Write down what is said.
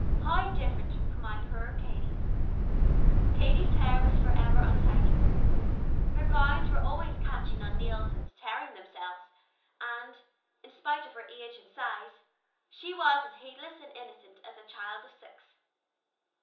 How different from my poor Katy! Katy's hair was forever in a snarl; her gowns were always catching on nails and tearing "themselves"; and, in spite of her age and size, she was as heedless and innocent as a child of six.